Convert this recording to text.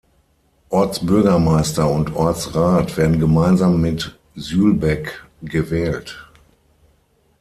Ortsbürgermeister und Ortsrat werden gemeinsam mit Sülbeck gewählt.